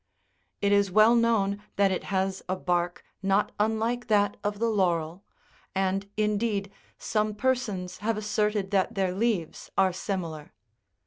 It is well known that it has a bark not unlike that of the laurel, and, indeed, some persons have asserted that their leaves are similar.